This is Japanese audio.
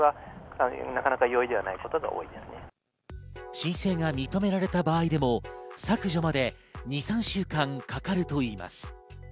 申請が認められた場合でも削除まで２３週間かかるといいます。